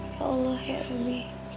ya allah ya rabbi